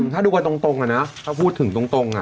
ถ้าดูกันตรงน่ะนะถ้าพูดถึงตรงค่ะ